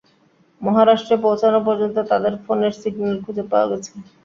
মহারাষ্ট্রে পৌঁছনো পর্যন্ত তাদের ফোনের সিগন্যাল খুঁজে পাওয়া গেছে।